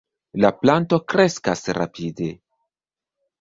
La planto kreskas rapide.